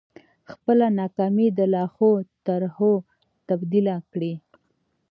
خپله ناکامي د لا ښو طرحو تبديله کړئ.